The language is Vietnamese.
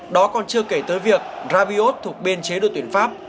đó còn chưa kể tới việc rabiot thuộc bên chế đội tuyển pháp